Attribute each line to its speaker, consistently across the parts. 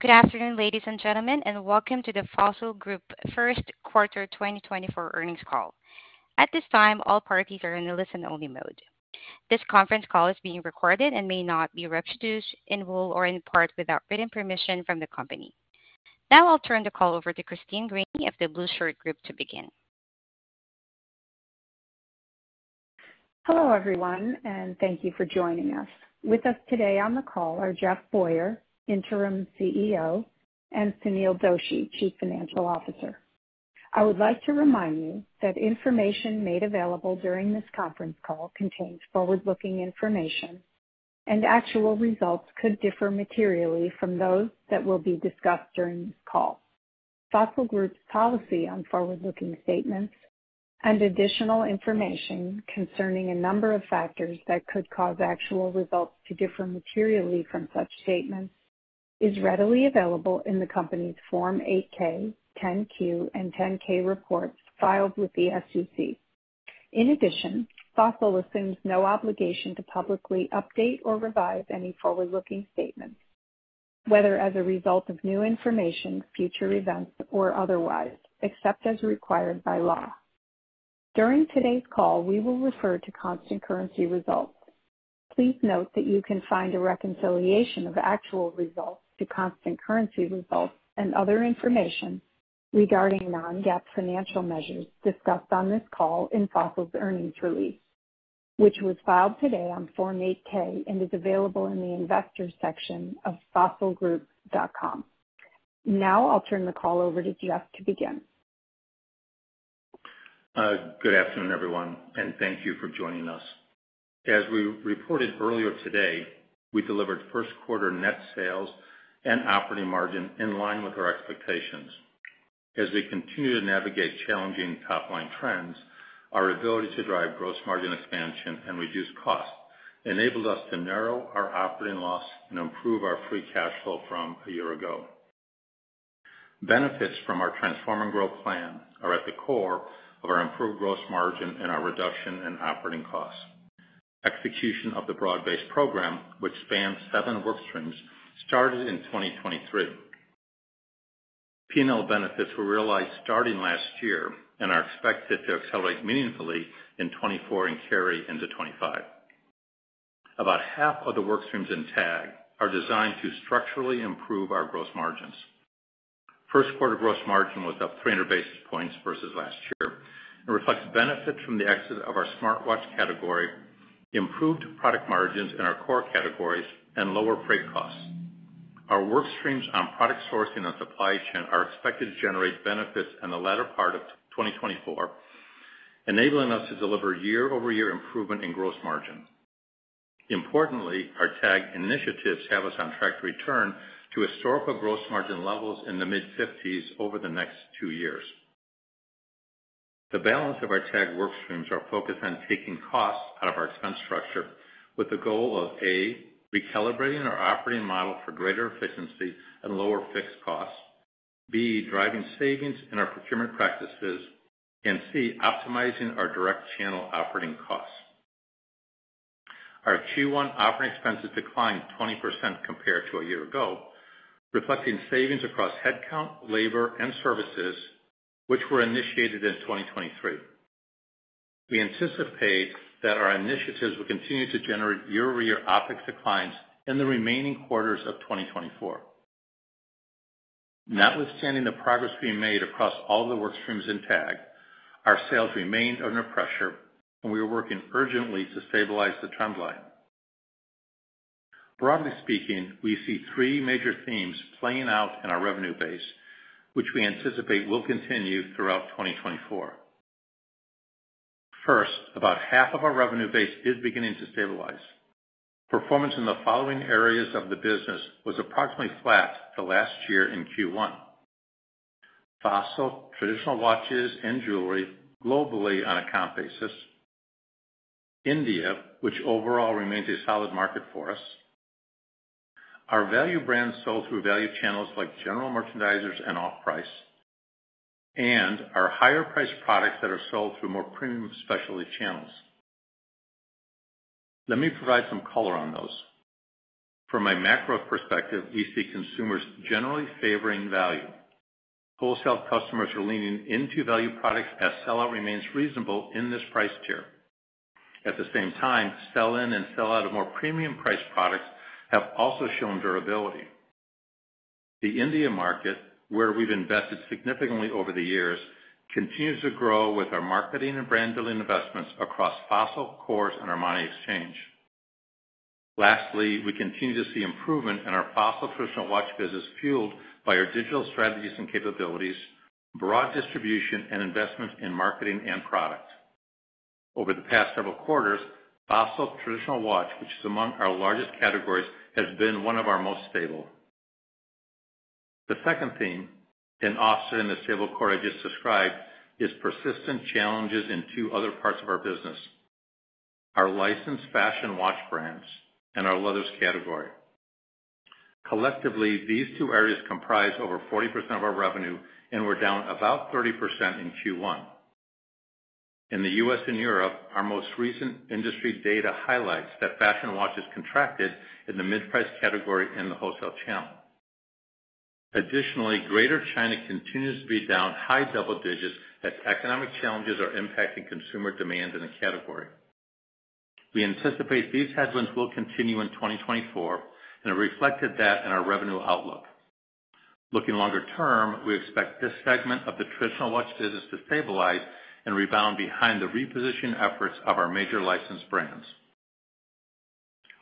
Speaker 1: Good afternoon, ladies and gentlemen, and welcome to the Fossil Group first quarter 2024 earnings call. At this time, all parties are in a listen-only mode. This conference call is being recorded and may not be reproduced in whole or in part without written permission from the company. Now I'll turn the call over to Christine Greany of the Blueshirt Group to begin.
Speaker 2: Hello everyone, and thank you for joining us. With us today on the call are Jeff Boyer, Interim CEO, and Sunil Doshi, Chief Financial Officer. I would like to remind you that information made available during this conference call contains forward-looking information, and actual results could differ materially from those that will be discussed during this call. Fossil Group's policy on forward-looking statements and additional information concerning a number of factors that could cause actual results to differ materially from such statements is readily available in the company's Form 8-K, 10-Q, and 10-K reports filed with the SEC. In addition, Fossil assumes no obligation to publicly update or revise any forward-looking statements, whether as a result of new information, future events, or otherwise, except as required by law. During today's call, we will refer to constant currency results. Please note that you can find a reconciliation of actual results to constant currency results and other information regarding non-GAAP financial measures discussed on this call in Fossil's earnings release, which was filed today on Form 8-K and is available in the investors section of fossilgroup.com. Now I'll turn the call over to Jeff to begin.
Speaker 3: Good afternoon, everyone, and thank you for joining us. As we reported earlier today, we delivered first quarter net sales and operating margin in line with our expectations. As we continue to navigate challenging top-line trends, our ability to drive gross margin expansion and reduce costs enabled us to narrow our operating loss and improve our free cash flow from a year ago. Benefits from our transforming growth plan are at the core of our improved gross margin and our reduction in operating costs. Execution of the broad-based program, which spans seven work streams, started in 2023. P&L benefits were realized starting last year and are expected to accelerate meaningfully in 2024 and carry into 2025. About half of the work streams in TAG are designed to structurally improve our gross margins. First quarter gross margin was up 300 basis points versus last year and reflects benefits from the exit of our smartwatch category, improved product margins in our core categories, and lower freight costs. Our work streams on product sourcing and supply chain are expected to generate benefits in the latter part of 2024, enabling us to deliver year-over-year improvement in gross margin. Importantly, our TAG initiatives have us on track to return to historical gross margin levels in the mid-50s over the next two years. The balance of our TAG work streams are focused on taking costs out of our expense structure with the goal of, A, recalibrating our operating model for greater efficiency and lower fixed costs, B, driving savings in our procurement practices, and C, optimizing our direct channel operating costs. Our Q1 operating expenses declined 20% compared to a year ago, reflecting savings across headcount, labor, and services, which were initiated in 2023. We anticipate that our initiatives will continue to generate year-over-year OpEx declines in the remaining quarters of 2024. Notwithstanding the progress being made across all of the work streams in TAG, our sales remained under pressure, and we were working urgently to stabilize the trendline. Broadly speaking, we see three major themes playing out in our revenue base, which we anticipate will continue throughout 2024. First, about half of our revenue base is beginning to stabilize. Performance in the following areas of the business was approximately flat the last year in Q1: Fossil traditional watches, and jewelry globally on a comp basis. India, which overall remains a solid market for us. Our value brands sold through value channels like general merchandisers and off-price. Our higher-priced products that are sold through more premium specialty channels. Let me provide some color on those. From a macro perspective, we see consumers generally favoring value. Wholesale customers are leaning into value products as sell-out remains reasonable in this price tier. At the same time, sell-in and sell-out of more premium-priced products have also shown durability. The India market, where we've invested significantly over the years, continues to grow with our marketing and brand building investments across Fossil, Michael Kors, and our Armani Exchange. Lastly, we continue to see improvement in our Fossil traditional watch business fueled by our digital strategies and capabilities, broad distribution, and investments in marketing and product. Over the past several quarters, Fossil traditional watch, which is among our largest categories, has been one of our most stable. The second theme, an offset to the stable core I just described, is persistent challenges in two other parts of our business: our licensed fashion watch brands and our Leathers category. Collectively, these two areas comprise over 40% of our revenue and were down about 30% in Q1. In the U.S. and Europe, our most recent industry data highlights that fashion watches contracted in the mid-price category and the wholesale channel. Additionally, Greater China continues to be down high double digits as economic challenges are impacting consumer demand in the category. We anticipate these headwinds will continue in 2024 and have reflected that in our revenue outlook. Looking longer term, we expect this segment of the traditional watch business to stabilize and rebound behind the repositioning efforts of our major licensed brands.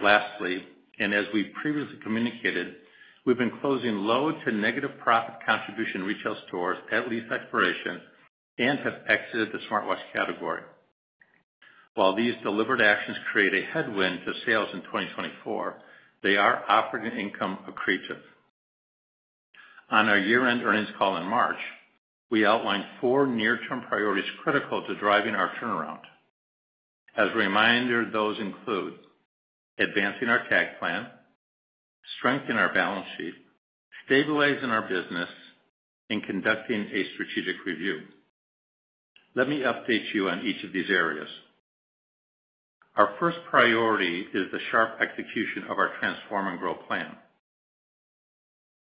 Speaker 3: Lastly, and as we previously communicated, we've been closing low to negative profit contribution retail stores at lease expiration and have exited the smartwatch category. While these deliberate actions create a headwind to sales in 2024, they are operating income accretive. On our year-end earnings call in March, we outlined four near-term priorities critical to driving our turnaround. As a reminder, those include advancing our TAG plan, strengthening our balance sheet, stabilizing our business, and conducting a strategic review. Let me update you on each of these areas. Our first priority is the sharp execution of our Transform and Grow plan.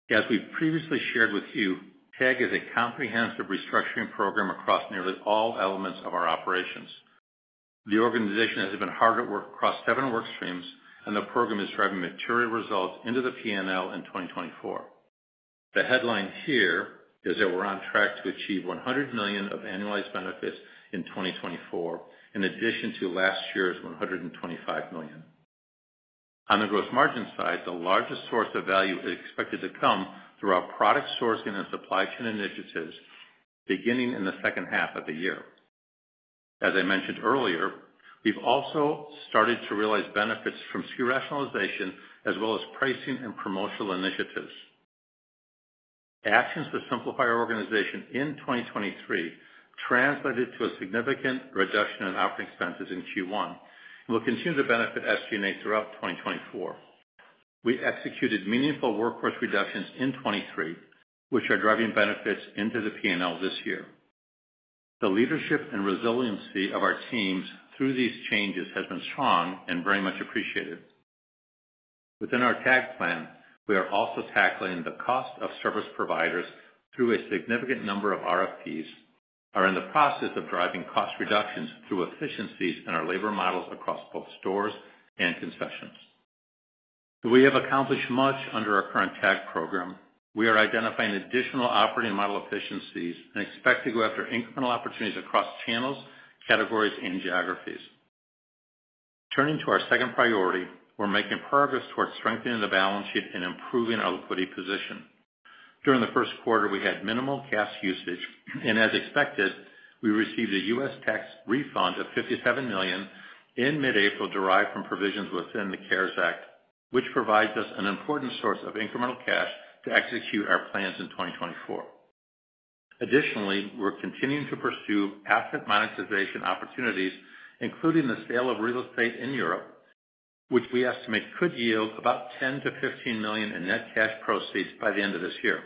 Speaker 3: As we've previously shared with you, TAG is a comprehensive restructuring program across nearly all elements of our operations. The organization has been hard at work across seven work streams, and the program is driving material results into the P&L in 2024. The headline here is that we're on track to achieve $100 million of annualized benefits in 2024 in addition to last year's $125 million. On the gross margin side, the largest source of value is expected to come through our product sourcing and supply chain initiatives beginning in the second half of the year. As I mentioned earlier, we've also started to realize benefits from SKU rationalization as well as pricing and promotional initiatives. Actions to simplify our organization in 2023 translated to a significant reduction in operating expenses in Q1 and will continue to benefit SG&A throughout 2024. We executed meaningful workforce reductions in 2023, which are driving benefits into the P&L this year. The leadership and resiliency of our teams through these changes has been strong and very much appreciated. Within our TAG plan, we are also tackling the cost of service providers through a significant number of RFPs. Are in the process of driving cost reductions through efficiencies in our labor models across both stores and concessions. Though we have accomplished much under our current TAG program, we are identifying additional operating model efficiencies and expect to go after incremental opportunities across channels, categories, and geographies. Turning to our second priority, we're making progress towards strengthening the balance sheet and improving our liquidity position. During the first quarter, we had minimal cash usage, and as expected, we received a U.S. tax refund of $57 million in mid-April derived from provisions within the CARES Act, which provides us an important source of incremental cash to execute our plans in 2024. Additionally, we're continuing to pursue asset monetization opportunities, including the sale of real estate in Europe, which we estimate could yield about $10 million-$15 million in net cash proceeds by the end of this year.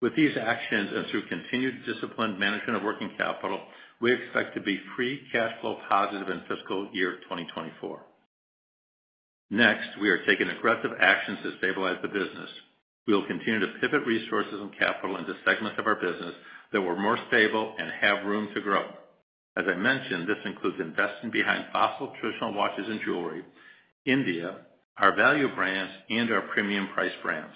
Speaker 3: With these actions and through continued disciplined management of working capital, we expect to be free cash flow positive in fiscal year 2024. Next, we are taking aggressive actions to stabilize the business. We will continue to pivot resources and capital into segments of our business that were more stable and have room to grow. As I mentioned, this includes investing behind Fossil traditional watches and jewelry, India, our value brands, and our premium price brands.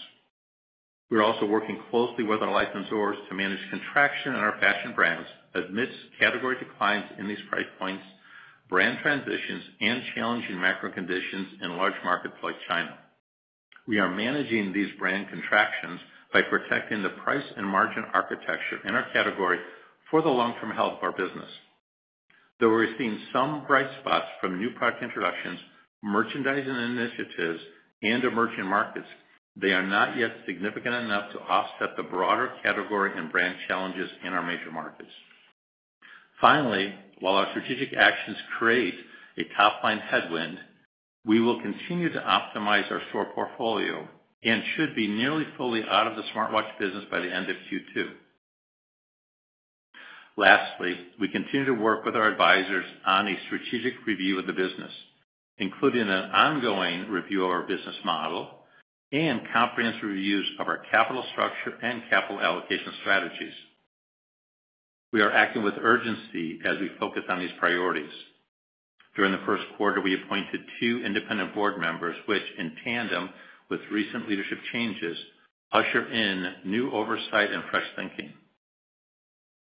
Speaker 3: We're also working closely with our licensors to manage contraction in our fashion brands amidst category declines in these price points, brand transitions, and challenging macro conditions in large markets like China. We are managing these brand contractions by protecting the price and margin architecture in our category for the long-term health of our business. Though we're seeing some bright spots from new product introductions, merchandising initiatives, and emerging markets, they are not yet significant enough to offset the broader category and brand challenges in our major markets. Finally, while our strategic actions create a top-line headwind, we will continue to optimize our store portfolio and should be nearly fully out of the smartwatch business by the end of Q2. Lastly, we continue to work with our advisors on a strategic review of the business, including an ongoing review of our business model and comprehensive reviews of our capital structure and capital allocation strategies. We are acting with urgency as we focus on these priorities. During the first quarter, we appointed two independent board members, which, in tandem with recent leadership changes, ushered in new oversight and fresh thinking.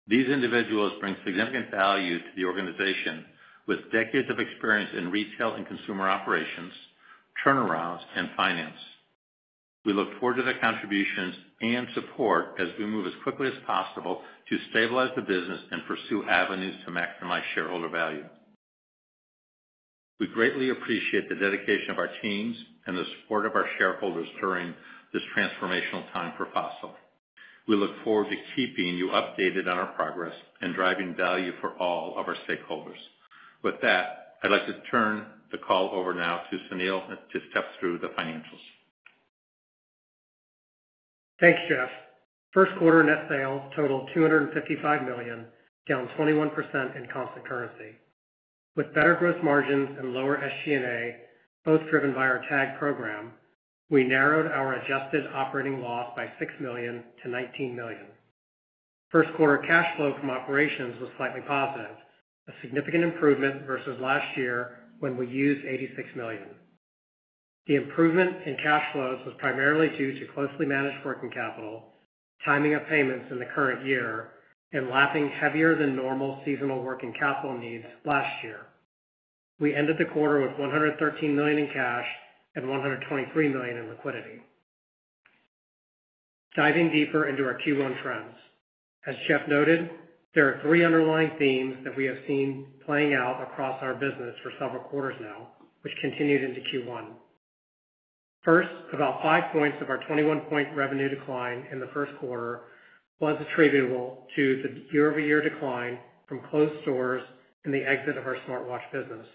Speaker 3: These individuals bring significant value to the organization with decades of experience in retail and consumer operations, turnarounds, and finance. We look forward to their contributions and support as we move as quickly as possible to stabilize the business and pursue avenues to maximize shareholder value. We greatly appreciate the dedication of our teams and the support of our shareholders during this transformational time for Fossil. We look forward to keeping you updated on our progress and driving value for all of our stakeholders. With that, I'd like to turn the call over now to Sunil to step through the financials.
Speaker 4: Thanks, Jeff. First quarter net sales totaled $255 million, down 21% in constant currency. With better gross margins and lower SG&A, both driven by our TAG program, we narrowed our adjusted operating loss by $6 million to $19 million. First quarter cash flow from operations was slightly positive, a significant improvement versus last year when we used $86 million. The improvement in cash flows was primarily due to closely managed working capital, timing of payments in the current year, and lapping heavier than normal seasonal working capital needs last year. We ended the quarter with $113 million in cash and $123 million in liquidity. Diving deeper into our Q1 trends. As Jeff noted, there are three underlying themes that we have seen playing out across our business for several quarters now, which continued into Q1. First, about 5 points of our 21-point revenue decline in the first quarter was attributable to the year-over-year decline from closed stores and the exit of our smartwatch business.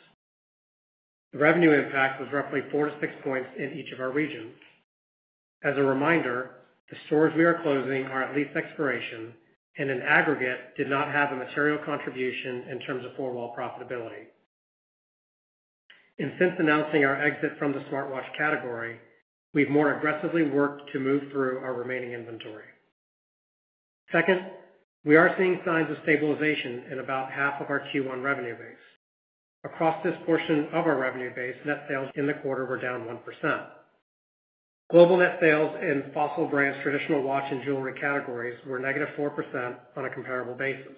Speaker 4: The revenue impact was roughly four to six points in each of our regions. As a reminder, the stores we are closing are at lease expiration, and in aggregate, did not have a material contribution in terms of forward profitability. And since announcing our exit from the smartwatch category, we've more aggressively worked to move through our remaining inventory. Second, we are seeing signs of stabilization in about half of our Q1 revenue base. Across this portion of our revenue base, net sales in the quarter were down 1%. Global net sales in Fossil brands, traditional watch, and jewelry categories were negative 4% on a comparable basis.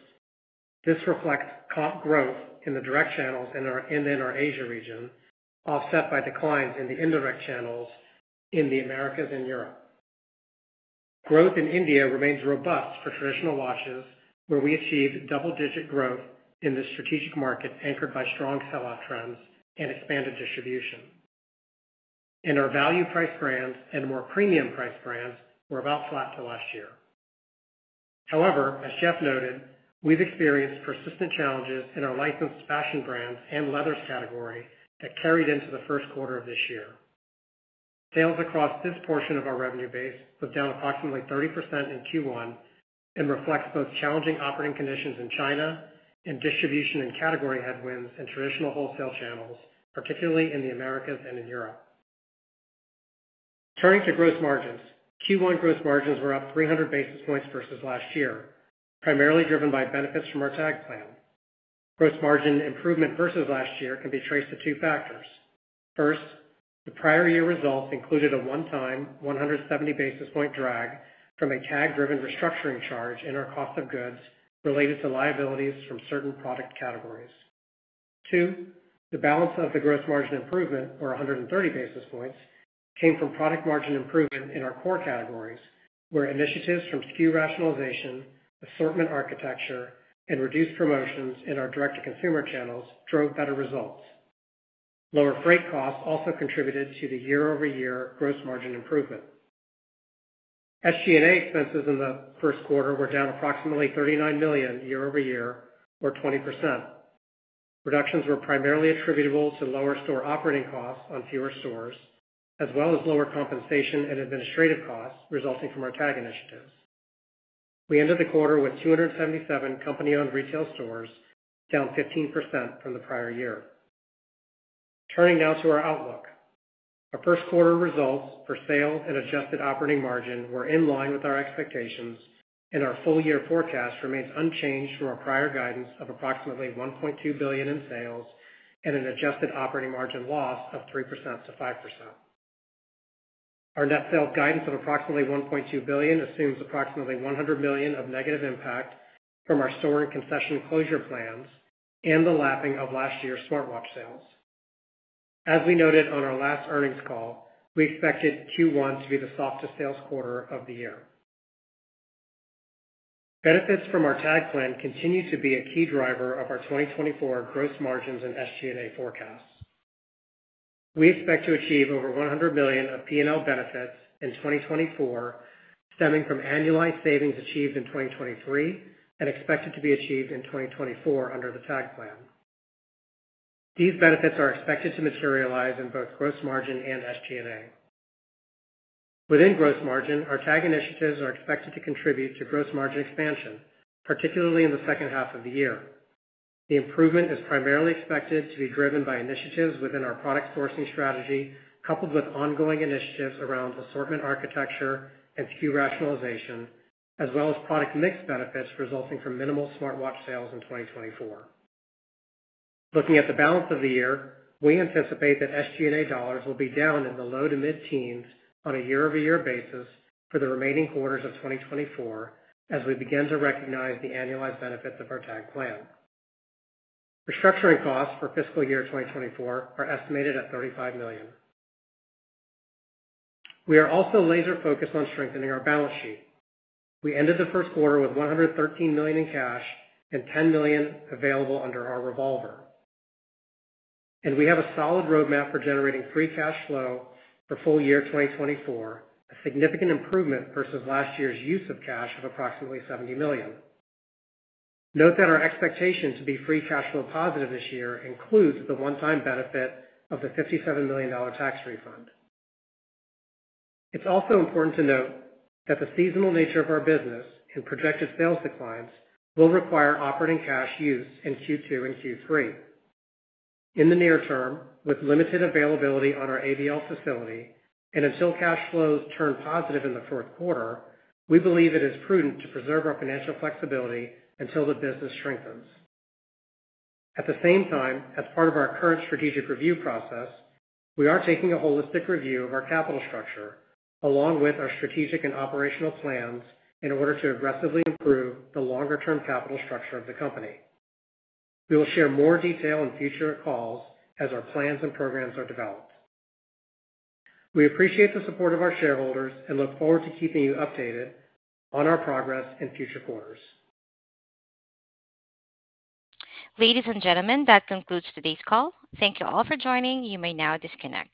Speaker 4: This reflects comp growth in the direct channels and in our Asia region, offset by declines in the indirect channels in the Americas and Europe. Growth in India remains robust for traditional watches, where we achieved double-digit growth in the strategic market anchored by strong sell-out trends and expanded distribution. Our value price brands and more premium price brands were about flat to last year. However, as Jeff noted, we've experienced persistent challenges in our licensed fashion brands and leathers category that carried into the first quarter of this year. Sales across this portion of our revenue base was down approximately 30% in Q1 and reflects both challenging operating conditions in China and distribution and category headwinds in traditional wholesale channels, particularly in the Americas and in Europe. Turning to gross margins, Q1 gross margins were up 300 basis points versus last year, primarily driven by benefits from our TAG plan. Gross margin improvement versus last year can be traced to two factors. First, the prior year results included a one-time 170 basis point drag from a TAG-driven restructuring charge in our cost of goods related to liabilities from certain product categories. Two, the balance of the gross margin improvement, or 130 basis points, came from product margin improvement in our core categories, where initiatives from SKU rationalization, assortment architecture, and reduced promotions in our direct-to-consumer channels drove better results. Lower freight costs also contributed to the year-over-year gross margin improvement. SG&A expenses in the first quarter were down approximately $39 million year over year, or 20%. Reductions were primarily attributable to lower store operating costs on fewer stores, as well as lower compensation and administrative costs resulting from our TAG initiatives. We ended the quarter with 277 company-owned retail stores down 15% from the prior year. Turning now to our outlook. Our first quarter results for sales and adjusted operating margin were in line with our expectations, and our full-year forecast remains unchanged from our prior guidance of approximately $1.2 billion in sales and an adjusted operating margin loss of 3%-5%. Our net sales guidance of approximately $1.2 billion assumes approximately $100 million of negative impact from our store and concession closure plans and the lapping of last year's smartwatch sales. As we noted on our last earnings call, we expected Q1 to be the softest sales quarter of the year. Benefits from our TAG plan continue to be a key driver of our 2024 gross margins and SG&A forecasts. We expect to achieve over $100 million of P&L benefits in 2024 stemming from annualized savings achieved in 2023 and expected to be achieved in 2024 under the TAG plan. These benefits are expected to materialize in both gross margin and SG&A. Within gross margin, our TAG initiatives are expected to contribute to gross margin expansion, particularly in the second half of the year. The improvement is primarily expected to be driven by initiatives within our product sourcing strategy, coupled with ongoing initiatives around assortment architecture and SKU rationalization, as well as product mix benefits resulting from minimal smartwatch sales in 2024. Looking at the balance of the year, we anticipate that SG&A dollars will be down in the low to mid-teens on a year-over-year basis for the remaining quarters of 2024 as we begin to recognize the annualized benefits of our TAG plan. Restructuring costs for fiscal year 2024 are estimated at $35 million. We are also laser-focused on strengthening our balance sheet. We ended the first quarter with $113 million in cash and $10 million available under our revolver. And we have a solid roadmap for generating free cash flow for full year 2024, a significant improvement versus last year's use of cash of approximately $70 million. Note that our expectation to be free cash flow positive this year includes the one-time benefit of the $57 million tax refund. It's also important to note that the seasonal nature of our business and projected sales declines will require operating cash use in Q2 and Q3. In the near term, with limited availability on our ABL facility and until cash flows turn positive in the fourth quarter, we believe it is prudent to preserve our financial flexibility until the business strengthens. At the same time, as part of our current strategic review process, we are taking a holistic review of our capital structure along with our strategic and operational plans in order to aggressively improve the longer-term capital structure of the company. We will share more detail in future calls as our plans and programs are developed. We appreciate the support of our shareholders and look forward to keeping you updated on our progress in future quarters.
Speaker 1: Ladies and gentlemen, that concludes today's call. Thank you all for joining. You may now disconnect.